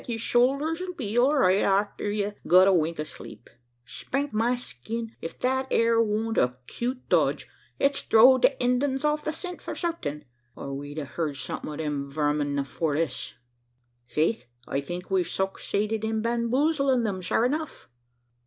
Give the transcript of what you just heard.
yer shoulders 'll be all right arter ye've got a wink o' sleep. Spank my skin! ef thet ere wan't a cute dodge it's throwd the Indyens off o' the scent for certain; or we'd a heerd some'ut o' them verming afore this." "Faith, I think we've sucksaided in bamboozling thim, shure enough."